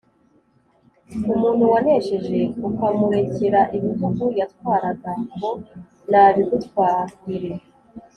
umuntu wanesheje ukamurekera ibihugu yatwaraga, ngo nabigutwarire!